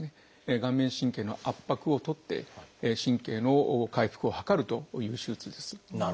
顔面神経の圧迫をとって神経の回復を図るという手術です。